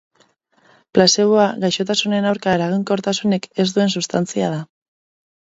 Plazeboa gaixotasunen aurka eraginkortasunik ez duen substantzia da.